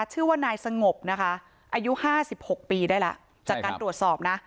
ชื่อว่านายสงบนะคะอายุห้าสิบหกปีได้แล้วจากการตรวจสอบนะ